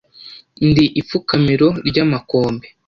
ndi ipfukamiro ry'amakombe